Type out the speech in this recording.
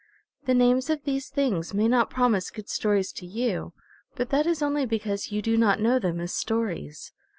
The names of these things may not promise good stories to you, but that is only because you do not know them as stories.